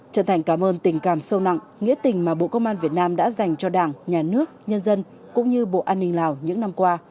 trở thành cảm ơn tình cảm sâu nặng nghĩa tình mà bộ công an việt nam đã dành cho đảng nhà nước nhân dân cũng như bộ an ninh lào những năm qua